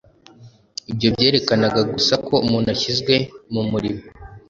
Ibyo byerekanaga gusa ko umuntu ashyizwe mu murimo